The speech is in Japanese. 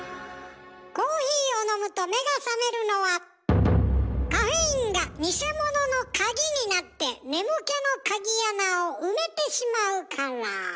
コーヒーを飲むと目が覚めるのはカフェインが偽物の鍵になって眠気の鍵穴を埋めてしまうから。